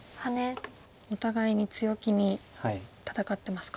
お互いに強気に戦ってますか。